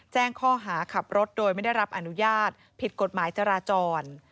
แจ้งข้อหาขับรถโดยไม่ได้รับอนุญาตผิดกฎหมายจราจร